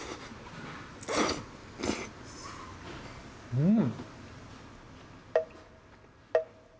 うん！